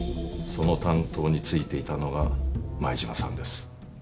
その担当についていたのが舞島さんです。